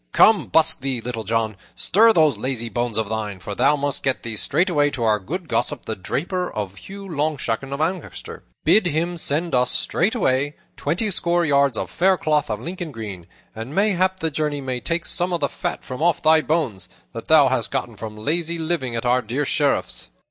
Come, busk thee, Little John! Stir those lazy bones of thine, for thou must get thee straightway to our good gossip, the draper Hugh Longshanks of Ancaster. Bid him send us straightway twenty score yards of fair cloth of Lincoln green; and mayhap the journey may take some of the fat from off thy bones, that thou hast gotten from lazy living at our dear Sheriff's."